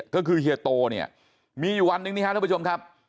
ก็คือเฮียโตเนี่ยมีอยู่วันหนึ่งนี่ครับท่านผู้ชมครับ